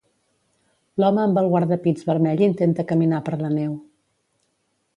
L'home amb el guardapits vermell intenta caminar per la neu.